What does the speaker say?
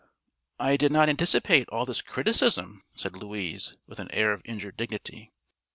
"I did not anticipate all this criticism," said Louise, with an air of injured dignity.